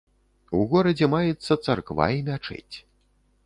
У горадзе маецца царква і мячэць.